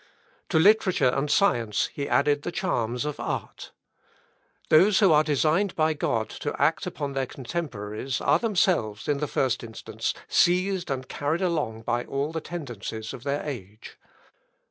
To literature and science he added the charms of art. Those who are designed by God to act upon their contemporaries are themselves, in the first instance, seized and carried along by all the tendencies of their age.